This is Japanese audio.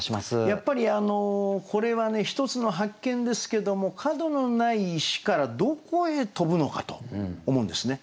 やっぱりこれはね一つの発見ですけども角のない石からどこへ飛ぶのかと思うんですね。